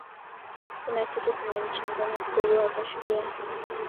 kuna kitu kimenichanganya kidogo hapa shuleni